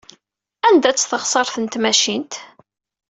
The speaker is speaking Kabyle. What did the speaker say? Anda-tt teɣsert n tmacint?